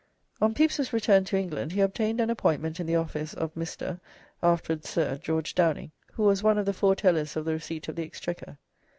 On Pepys's return to England he obtained an appointment in the office of Mr., afterwards Sir George Downing, who was one of the Four Tellers of the Receipt of the Exchequer.